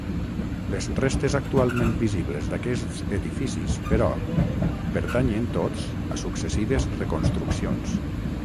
Les restes actualment visibles d'aquests edificis, però, pertanyen tots a successives reconstruccions.